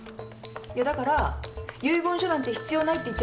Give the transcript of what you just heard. いやだから遺言書なんて必要ないって言ってるでしょ。